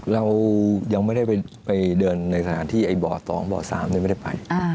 เรายังไม่ได้ไปเดินในสถานที่ไอ้บ่อ๒บ่อ๓ไม่ได้ไป